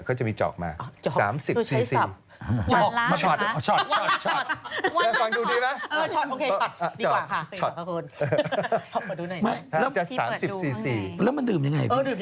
แล้วมันดื่มยังไง